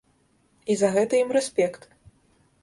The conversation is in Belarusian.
І за гэта ім рэспект.